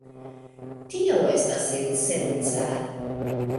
Tio estas sensenca.